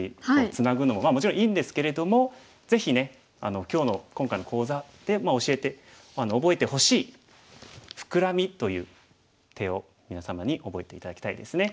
ツナぐのはもちろんいいんですけれどもぜひね今日の今回の講座で覚えてほしいフクラミという手を皆様に覚えて頂きたいですね。